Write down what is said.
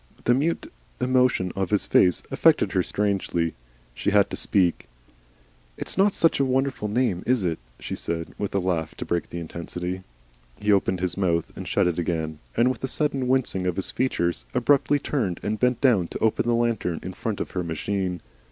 The mute emotion of his face affected her strangely. She had to speak. "It's not such a very wonderful name, is it?" she said, with a laugh to break the intensity. He opened his mouth and shut it again, and, with a sudden wincing of his features, abruptly turned and bent down to open the lantern in front of her machine.